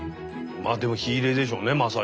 まあでも火入れでしょうねまさに。